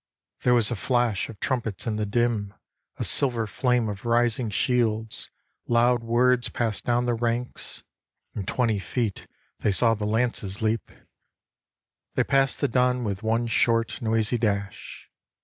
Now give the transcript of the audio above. There was a flash Of trumpets in the dim, a silver flame Of rising shields, loud words passed down the ranks, And twenty feet they saw the lances leap. They passed the dun with one short noisy dash.